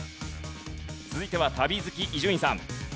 続いては旅好き伊集院さん。